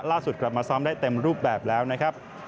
กลับมาซ้อมได้เต็มรูปแบบแล้วนะครับ